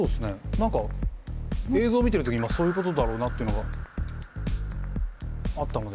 何か映像見てる時にそういうことだろうなってのがあったので。